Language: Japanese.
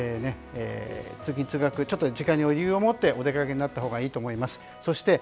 通勤・通学、時間に余裕をもってお出かけになったほうがいいと思います。